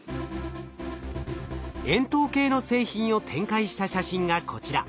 円筒形の製品を展開した写真がこちら。